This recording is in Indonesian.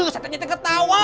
setannya tengah ketawa